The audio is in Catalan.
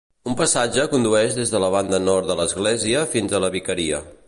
Un passatge condueix des de la banda nord de l'església fins a la vicaria.